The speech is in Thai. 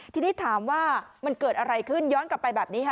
ทีนี้ถามว่ามันเกิดอะไรขึ้นย้อนกลับไปแบบนี้ค่ะ